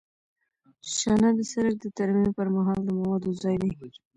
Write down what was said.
شانه د سرک د ترمیم پر مهال د موادو ځای دی